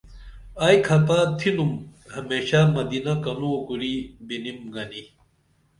ائی کھپہ تِھنُم ہمیشہ مدینہ کنوں کُری بِنِم گنی